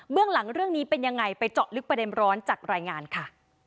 เรื่องหลังเรื่องนี้เป็นยังไงไปเจาะลึกประเด็นร้อนจากรายงานค่ะ